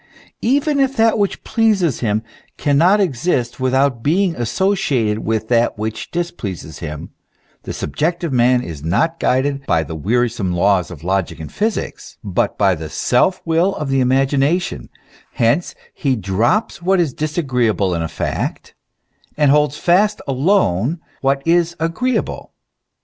Even if that which pleases him cannot exist with out being associated with that which displeases him, the sub jective man is not guided by the wearisome laws of logic and physics but by the self will of the imagination ; hence he drops what is disagreeable in a fact, and holds fast alone what is agreeable.